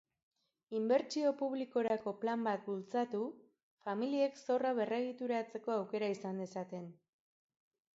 Inbertsio publikorako plan bat bultzatu, familiek zorra berregituratzeko aukera izan dezaten.